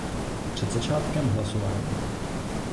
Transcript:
Před začátkem hlasování.